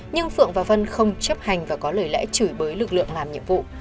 nhưng phượng và vân không chấp hành và có lời lẽ chửi bới lực lượng làm nhiệm vụ